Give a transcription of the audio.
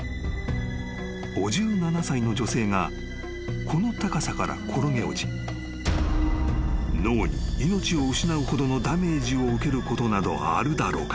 ［５７歳の女性がこの高さから転げ落ち脳に命を失うほどのダメージを受けることなどあるだろうか？